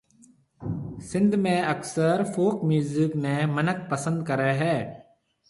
سنڌ ۾ اڪثر فوڪ ميوزڪ نيَ منک پسند ڪريَ هيَ